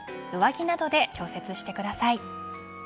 上着などで調節してください。